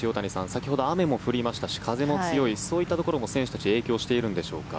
先ほど雨も降りましたし風も強いそういったところも選手たちに影響しているんでしょうか。